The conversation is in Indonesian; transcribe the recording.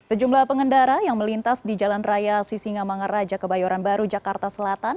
sejumlah pengendara yang melintas di jalan raya sisingamangara raja kebayoran baru jakarta selatan